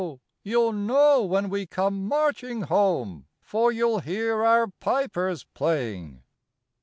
you'll know when we come marching home, For you'll hear our pipers playing."